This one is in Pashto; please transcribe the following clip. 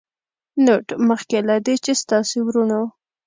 نوټ: مخکې له دې چې ستاسې وروڼو